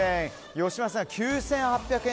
吉村さんが９８００円。